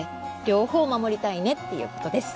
両方守りたいねっていうことです。